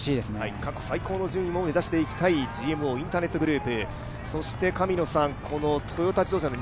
過去最高の順位を目指していきたいＧＭＯインターネットグループ。